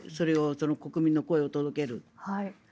国民の声を届ける。